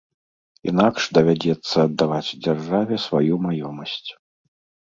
Інакш давядзецца аддаваць дзяржаве сваю маёмасць.